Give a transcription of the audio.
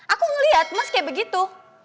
aku ngeliat mas kayak begitu